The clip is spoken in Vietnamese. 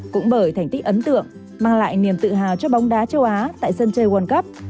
cũng bởi thành tích ấn tượng mang lại niềm tự hào cho bóng đá châu á tại sân chơi world cup